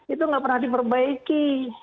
itu nggak pernah diperbaiki